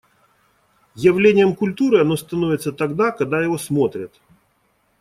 Явлением культуры оно становится тогда, когда его смотрят.